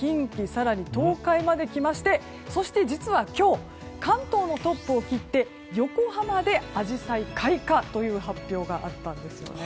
更に東海まで来ましてそして実は今日関東のトップを切って横浜でアジサイ開花という発表があったんです。